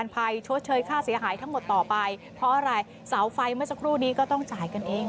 เพราะอะไรเสาไฟเมื่อสักครู่นี้ก็ต้องจ่ายกันเอง